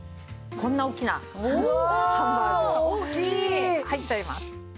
こんな大きなハンバーグも入っちゃいます。